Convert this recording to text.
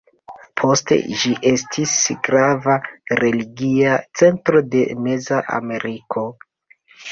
Poste ĝi estis grava religia centro de Meza Ameriko.